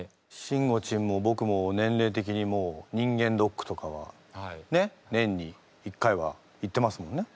しんごちんもぼくも年齢的にもう人間ドックとかはねっ年に１回は行ってますもんね。